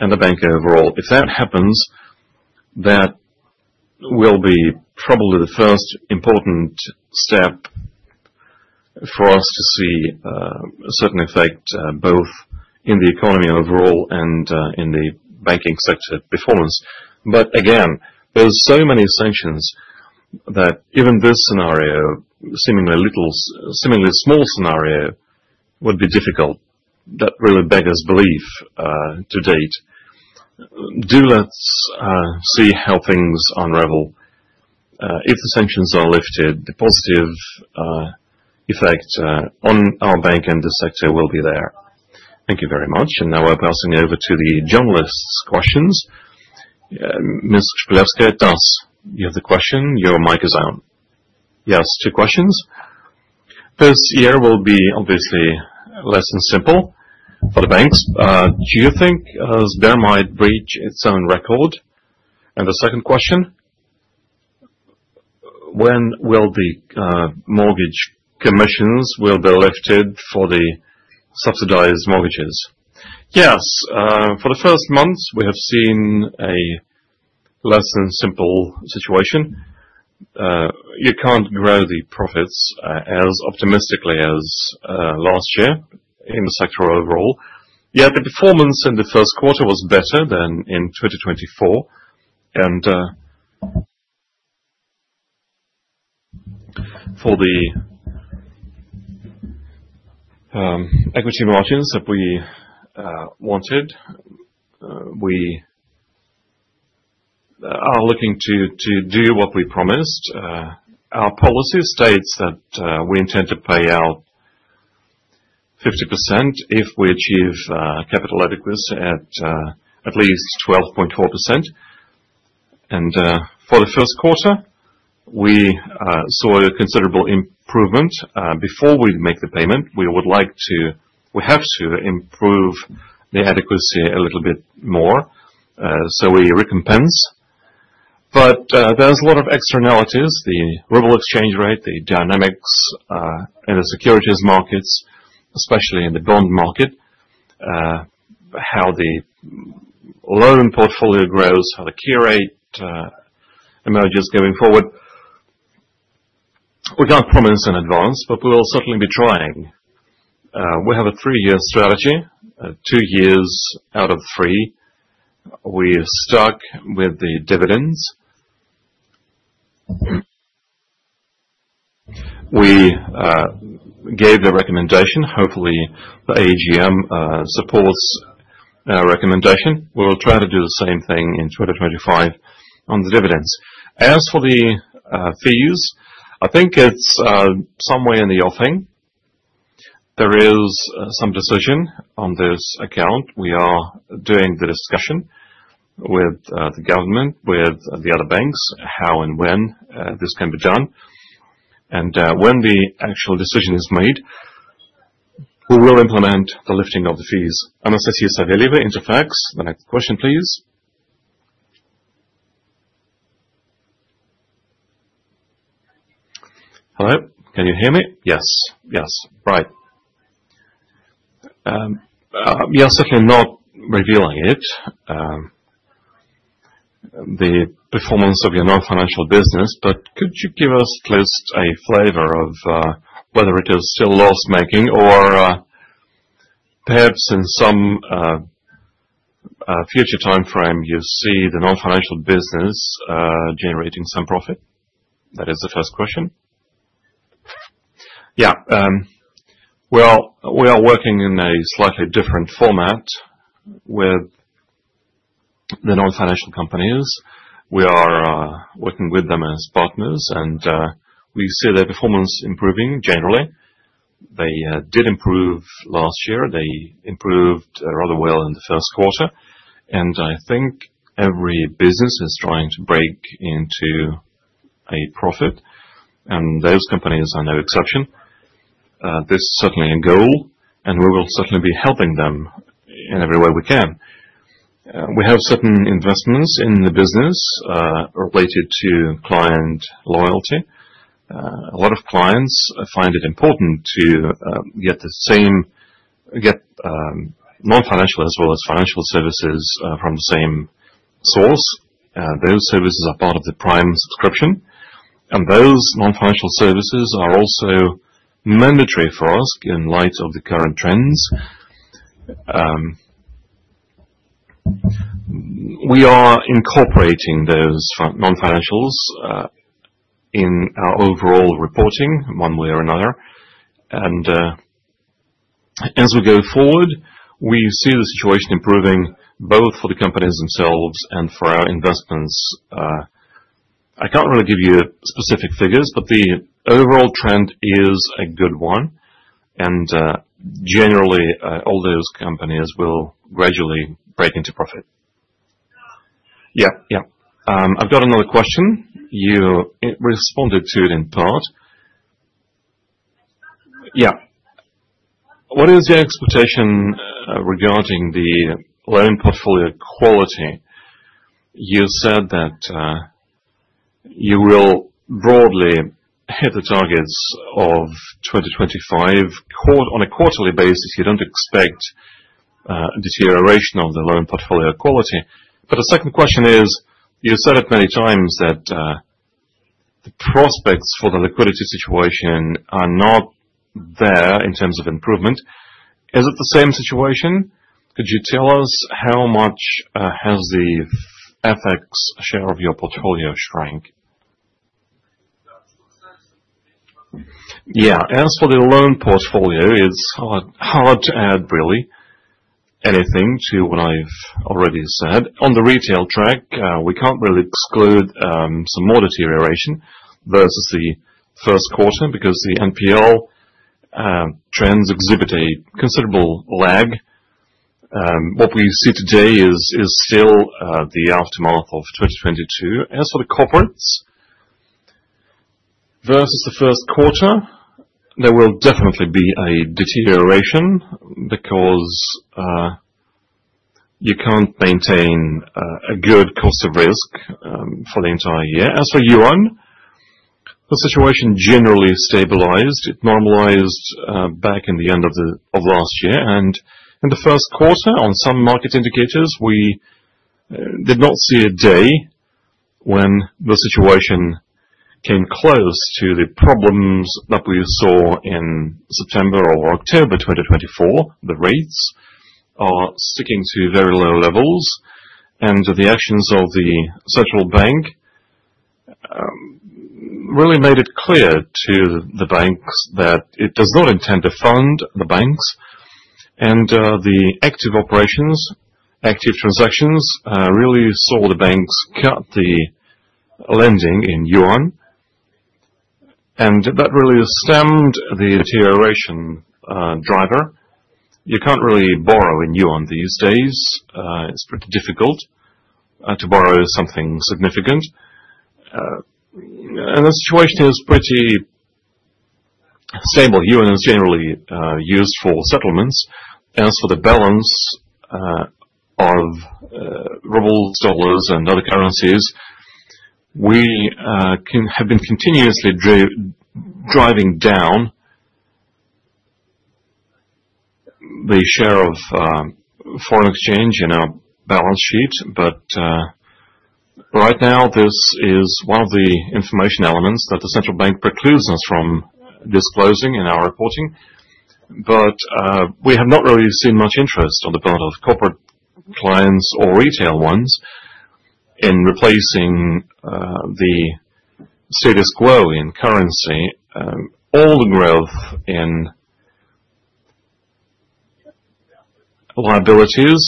and the bank overall. If that happens, that will be probably the first important step for us to see a certain effect both in the economy overall and in the banking sector performance. There are so many sanctions that even this scenario, seemingly small scenario, would be difficult. That really beggars belief to date. Do let's see how things unravel. If the sanctions are lifted, the positive effect on our bank and the sector will be there. Thank you very much. Now we're passing over to the journalist's questions. Ms. Szpilewska, do you have the question? Your mic is on. Yes, two questions. This year will be obviously less than simple for the banks. Do you think Sberbank might breach its own record? The second question, when will the mortgage commissions be lifted for the subsidized mortgages? Yes. For the first month, we have seen a less than simple situation. You can't grow the profits as optimistically as last year in the sector overall. Yet the performance in the first quarter was better than in 2024. For the equity margins that we wanted, we are looking to do what we promised. Our policy states that we intend to pay out 50% if we achieve capital adequacy at at least 12.4%. For the first quarter, we saw a considerable improvement. Before we make the payment, we would like to—we have to improve the adequacy a little bit more, so we recompense. There are a lot of externalities: the ruble exchange rate, the dynamics in the securities markets, especially in the bond market, how the loan portfolio grows, how the key rate emerges going forward. We can't promise in advance, but we will certainly be trying. We have a three-year strategy, two years out of three. We are stuck with the dividends. We gave the recommendation. Hopefully, the AGM supports our recommendation. We will try to do the same thing in 2025 on the dividends. As for the fees, I think it's somewhere in the offing. There is some decision on this account. We are doing the discussion with the government, with the other banks, how and when this can be done. When the actual decision is made, we will implement the lifting of the fees. Anastasia Saveliva, Interfax. The next question, please. Hello? Can you hear me? Yes. Yes. Right. We are certainly not revealing it, the performance of your non-financial business, but could you give us at least a flavor of whether it is still loss-making or perhaps in some future timeframe, you see the non-financial business generating some profit? That is the first question. Yeah. We are working in a slightly different format with the non-financial companies. We are working with them as partners, and we see their performance improving generally. They did improve last year. They improved rather well in the first quarter. I think every business is trying to break into a profit, and those companies are no exception. This is certainly a goal, and we will certainly be helping them in every way we can. We have certain investments in the business related to client loyalty. A lot of clients find it important to get non-financial as well as financial services from the same source. Those services are part of the prime subscription. Those non-financial services are also mandatory for us in light of the current trends. We are incorporating those non-financials in our overall reporting one way or another. As we go forward, we see the situation improving both for the companies themselves and for our investments. I can't really give you specific figures, but the overall trend is a good one. Generally, all those companies will gradually break into profit. Yeah. Yeah. I've got another question. You responded to it in part. Yeah. What is your expectation regarding the loan portfolio quality? You said that you will broadly hit the targets of 2025. On a quarterly basis, you do not expect a deterioration of the loan portfolio quality. The second question is, you said it many times that the prospects for the liquidity situation are not there in terms of improvement. Is it the same situation? Could you tell us how much has the FX share of your portfolio shrank? Yeah. As for the loan portfolio, it is hard to add really anything to what I have already said. On the retail track, we cannot really exclude some more deterioration versus the first quarter because the NPL trends exhibit a considerable lag. What we see today is still the aftermath of 2022. As for the corporates versus the first quarter, there will definitely be a deterioration because you cannot maintain a good cost of risk for the entire year. As for yuan, the situation generally stabilized. It normalized back in the end of last year. In the first quarter, on some market indicators, we did not see a day when the situation came close to the problems that we saw in September or October 2024. The rates are sticking to very low levels. The actions of the central bank really made it clear to the banks that it does not intend to fund the banks. The active operations, active transactions really saw the banks cut the lending in yuan. That really stemmed the deterioration driver. You can't really borrow in yuan these days. It's pretty difficult to borrow something significant. The situation is pretty stable. Yuan is generally used for settlements. As for the balance of rubles, dollars, and other currencies, we have been continuously driving down the share of foreign exchange in our balance sheet. Right now, this is one of the information elements that the central bank precludes us from disclosing in our reporting. We have not really seen much interest on the part of corporate clients or retail ones in replacing the status quo in currency. All the growth in liabilities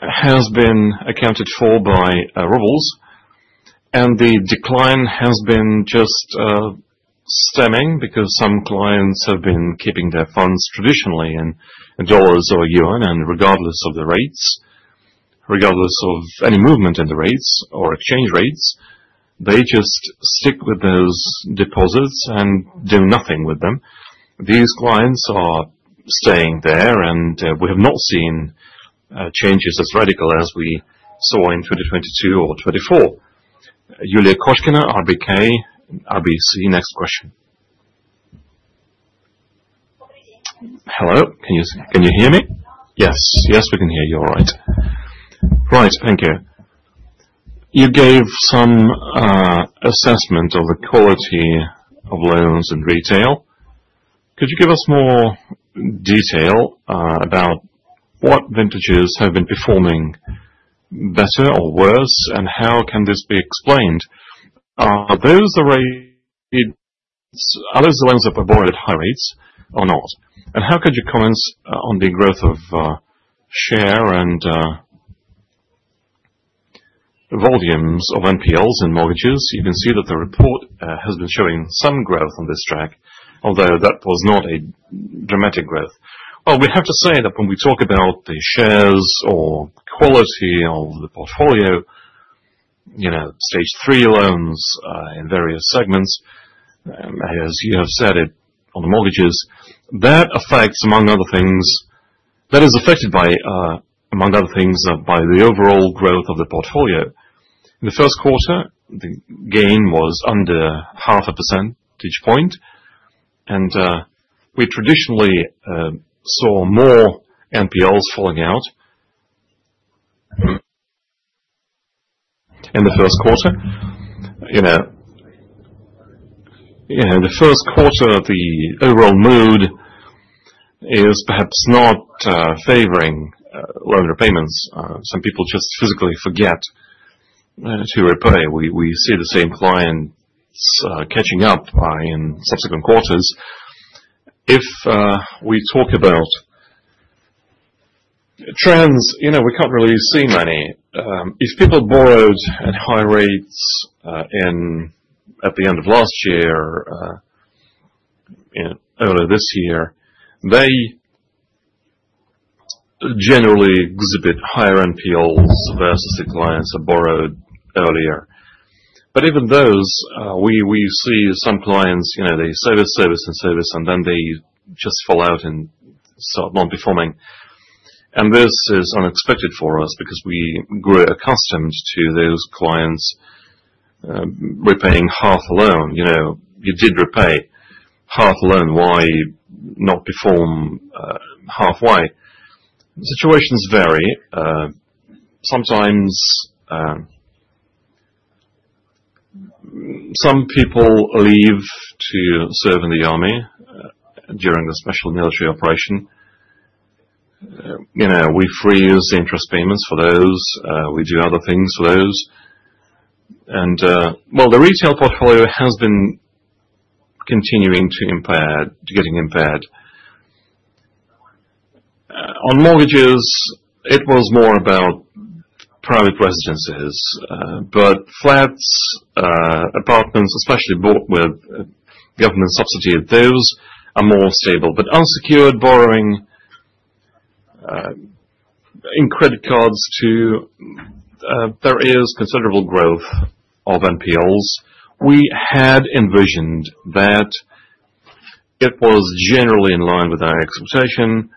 has been accounted for by rubles. The decline has been just stemming because some clients have been keeping their funds traditionally in dollars or yuan. Regardless of the rates, regardless of any movement in the rates or exchange rates, they just stick with those deposits and do nothing with them. These clients are staying there. We have not seen changes as radical as we saw in 2022 or 2024. Yulia Koshkina, RBC, next question. Hello? Can you hear me? Yes. Yes, we can hear you all right. Right. Thank you. You gave some assessment of the quality of loans in retail. Could you give us more detail about what vintages have been performing better or worse, and how can this be explained? Are those the rates? Are those the ones that were borrowed at high rates or not? How could you comment on the growth of share and volumes of NPLs and mortgages? You can see that the report has been showing some growth on this track, although that was not a dramatic growth. When we talk about the shares or quality of the portfolio, stage three loans in various segments, as you have said it on the mortgages, that is affected by, among other things, the overall growth of the portfolio. In the first quarter, the gain was under half a percentage point. We traditionally saw more NPLs falling out in the first quarter. In the first quarter, the overall mood is perhaps not favoring loan repayments. Some people just physically forget to repay. We see the same clients catching up in subsequent quarters. If we talk about trends, we can't really see many. If people borrowed at high rates at the end of last year, earlier this year, they generally exhibit higher NPLs versus the clients that borrowed earlier. Even those, we see some clients, they say this service and service, and then they just fall out and start non-performing. This is unexpected for us because we grew accustomed to those clients repaying half a loan. You did repay half a loan. Why not perform half? Why? Situations vary. Sometimes some people leave to serve in the army during the special military operation. We freeze interest payments for those. We do other things for those. The retail portfolio has been continuing to impact, getting impaired. On mortgages, it was more about private residences. Flats, apartments, especially bought with government-subsidized, those are more stable. Unsecured borrowing in credit cards too, there is considerable growth of NPLs. We had envisioned that it was generally in line with our expectation.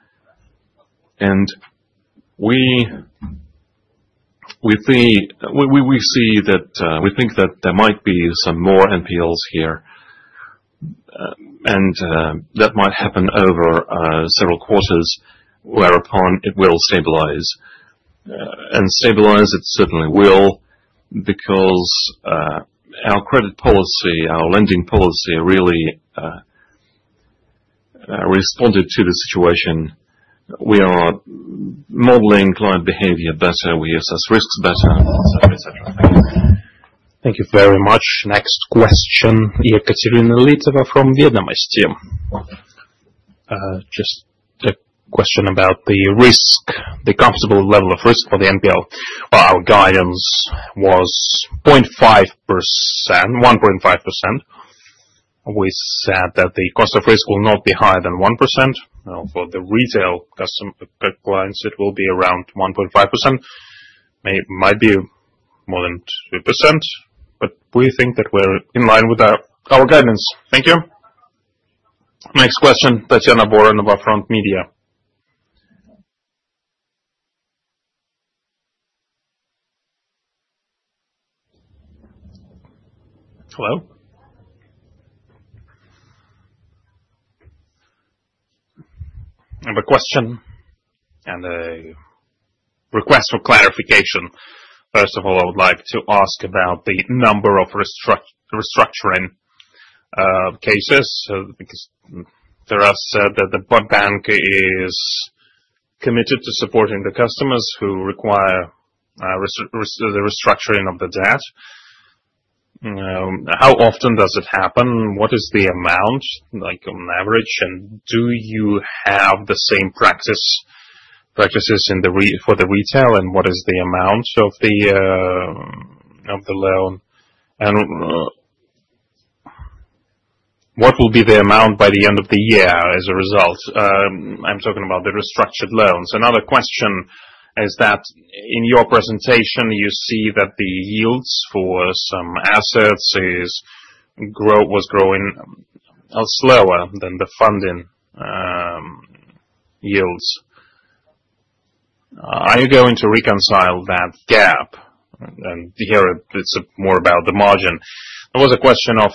We see that we think that there might be some more NPLs here. That might happen over several quarters whereupon it will stabilize. Stabilize, it certainly will because our credit policy, our lending policy really responded to the situation. We are modeling client behavior better. We assess risks better, etc., etc. Thank you. Thank you very much. Next question, Ekaterina Litova from Vietnam ST. Just a question about the risk, the comparable level of risk for the NPL. Our guidance was 0.5%-1.5%. We said that the cost of risk will not be higher than 1%. For the retail clients, it will be around 1.5%. It might be more than 2%. We think that we are in line with our guidance. Thank you. Next question, Tatiana Boranova, Front Media. Hello? I have a question and a request for clarification. First of all, I would like to ask about the number of restructuring cases because there are said that the bank is committed to supporting the customers who require the restructuring of the debt. How often does it happen? What is the amount on average? Do you have the same practices for the retail? What is the amount of the loan? What will be the amount by the end of the year as a result? I'm talking about the restructured loans. Another question is that in your presentation, you see that the yields for some assets was growing slower than the funding yields. Are you going to reconcile that gap? Here, it's more about the margin. There was a question of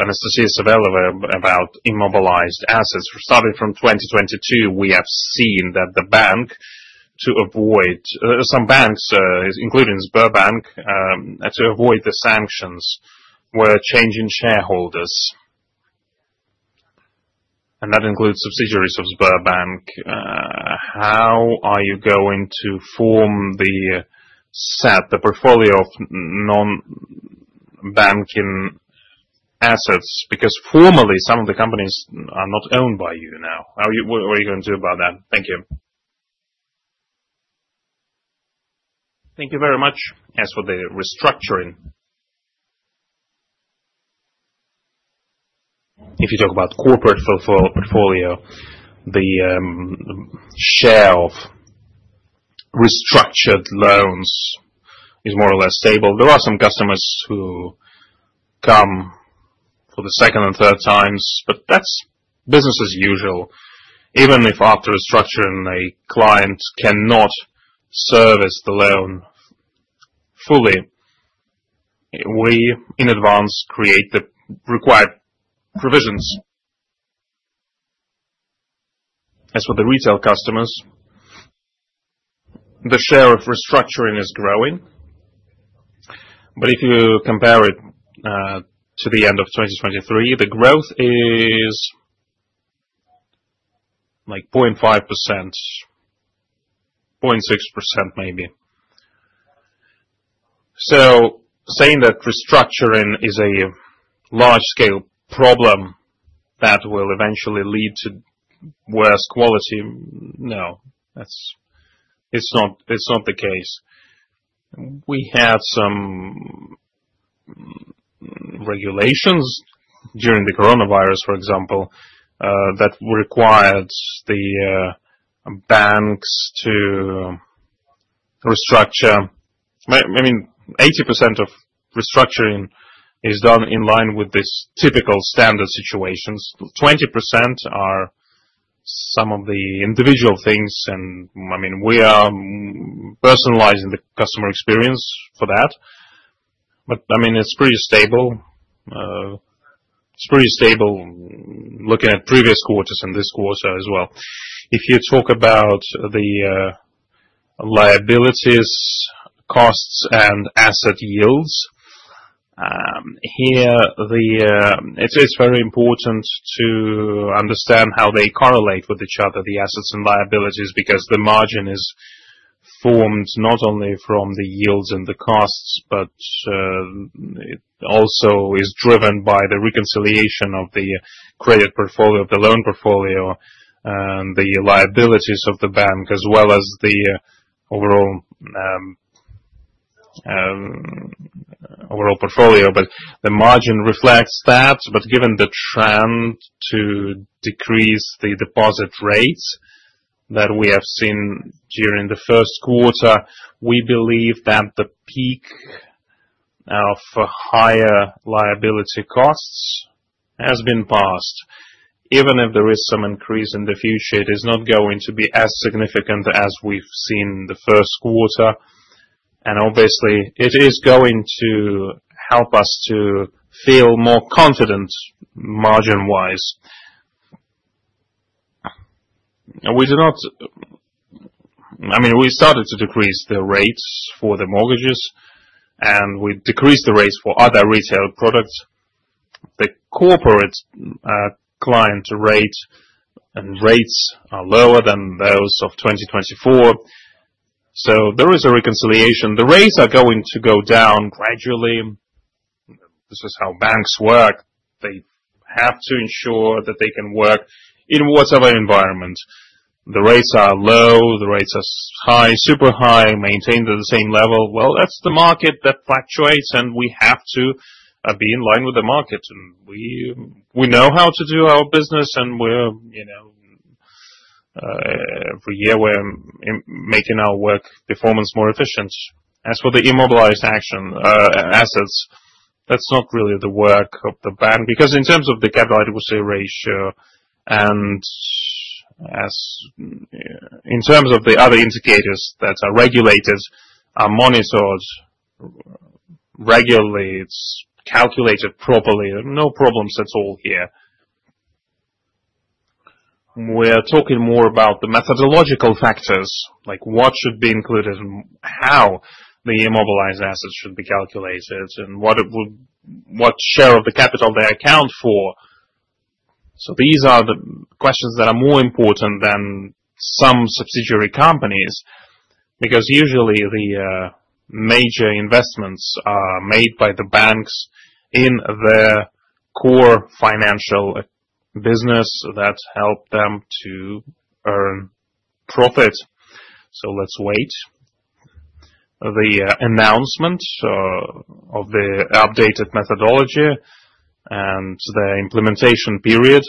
Anastasia Sobelova about immobilized assets. Starting from 2022, we have seen that the bank, to avoid some banks, including Sberbank, to avoid the sanctions, were changing shareholders. That includes subsidiaries of Sberbank. How are you going to form the portfolio of non-banking assets? Because formally, some of the companies are not owned by you now. What are you going to do about that? Thank you. Thank you very much. As for the restructuring, if you talk about corporate portfolio, the share of restructured loans is more or less stable. There are some customers who come for the second and third times, but that's business as usual. Even if after restructuring, a client cannot service the loan fully, we, in advance, create the required provisions. As for the retail customers, the share of restructuring is growing. If you compare it to the end of 2023, the growth is like 0.5%, 0.6% maybe. Saying that restructuring is a large-scale problem that will eventually lead to worse quality, no, it's not the case. We had some regulations during the coronavirus, for example, that required the banks to restructure. I mean, 80% of restructuring is done in line with these typical standard situations. Twenty percent are some of the individual things. I mean, we are personalizing the customer experience for that. I mean, it's pretty stable. It's pretty stable looking at previous quarters and this quarter as well. If you talk about the liabilities, costs, and asset yields, here, it's very important to understand how they correlate with each other, the assets and liabilities, because the margin is formed not only from the yields and the costs, but it also is driven by the reconciliation of the credit portfolio, the loan portfolio, and the liabilities of the bank, as well as the overall portfolio. The margin reflects that. Given the trend to decrease the deposit rates that we have seen during the first quarter, we believe that the peak of higher liability costs has been passed. Even if there is some increase in the future, it is not going to be as significant as we've seen the first quarter. Obviously, it is going to help us to feel more confident margin-wise. I mean, we started to decrease the rates for the mortgages, and we decreased the rates for other retail products. The corporate client rate and rates are lower than those of 2024. There is a reconciliation. The rates are going to go down gradually. This is how banks work. They have to ensure that they can work in whatever environment. The rates are low. The rates are high, super high, maintained at the same level. That is the market that fluctuates. We have to be in line with the market. We know how to do our business. Every year, we're making our work performance more efficient. As for the immobilized assets, that is not really the work of the bank because in terms of the capital adequacy ratio and in terms of the other indicators that are regulated, are monitored regularly, it is calculated properly. No problems at all here. We're talking more about the methodological factors, like what should be included, how the immobilized assets should be calculated, and what share of the capital they account for. These are the questions that are more important than some subsidiary companies because usually, the major investments are made by the banks in their core financial business that help them to earn profit. Let's wait. The announcement of the updated methodology and the implementation period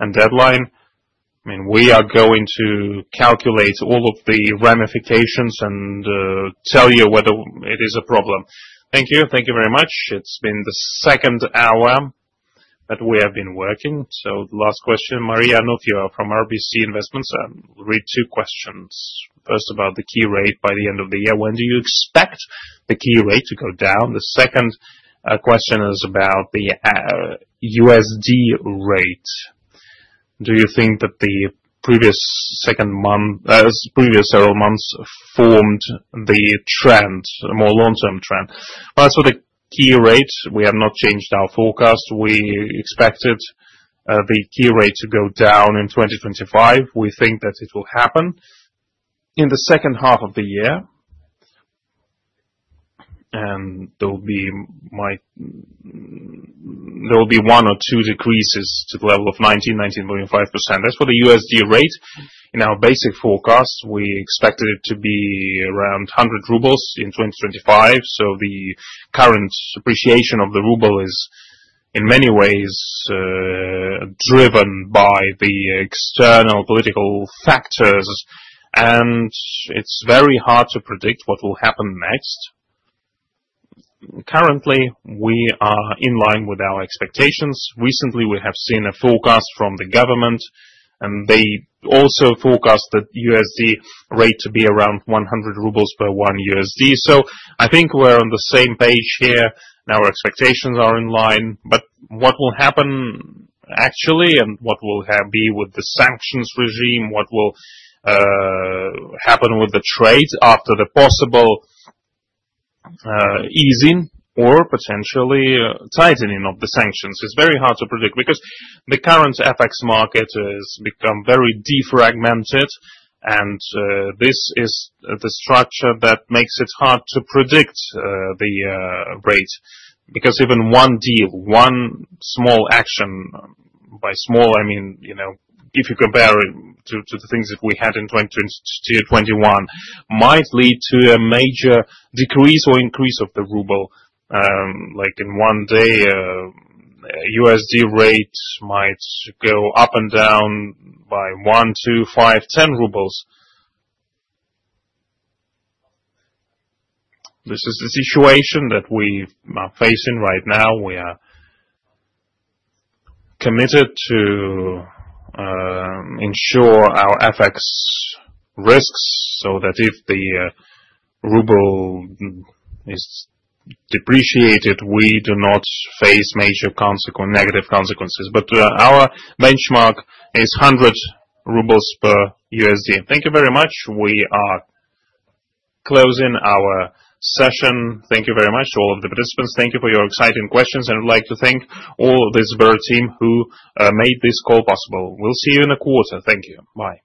and deadline. I mean, we are going to calculate all of the ramifications and tell you whether it is a problem. Thank you. Thank you very much. It's been the second hour that we have been working. Last question, Maria Nofio from RBC Investments. I'll read two questions. First, about the key rate by the end of the year. When do you expect the key rate to go down? The second question is about the USD rate. Do you think that the previous several months formed the trend, a more long-term trend? As for the key rate, we have not changed our forecast. We expected the key rate to go down in 2025. We think that it will happen in the second half of the year. There will be one or two decreases to the level of 19-19.5%. As for the USD rate, in our basic forecast, we expected it to be around 100 rubles in 2025. The current appreciation of the ruble is, in many ways, driven by the external political factors. It is very hard to predict what will happen next. Currently, we are in line with our expectations. Recently, we have seen a forecast from the government. They also forecast that USD rate to be around 100 rubles per one USD. I think we're on the same page here. Our expectations are in line. What will happen, actually, and what will be with the sanctions regime, what will happen with the trades after the possible easing or potentially tightening of the sanctions is very hard to predict because the current FX market has become very defragmented. This is the structure that makes it hard to predict the rate because even one deal, one small action by small, I mean, if you compare to the things that we had in 2021, might lead to a major decrease or increase of the ruble. Like in one day, USD rate might go up and down by 1, 2, 5, 10 rubles. This is the situation that we are facing right now. We are committed to ensure our FX risks so that if the ruble is depreciated, we do not face major negative consequences. Our benchmark is 100 rubles per $1. Thank you very much. We are closing our session. Thank you very much to all of the participants. Thank you for your exciting questions. I would like to thank all of the Sber team who made this call possible. We'll see you in a quarter. Thank you. Bye.